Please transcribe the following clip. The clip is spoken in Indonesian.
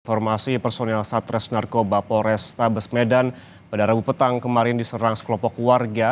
informasi personil satres narkoba pores tabes medan pada rabu petang kemarin diserang sekelopok warga